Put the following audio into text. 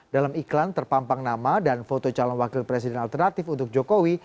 dalam iklan terpampang nama dan foto calon wakil presiden alternatif untuk jokowi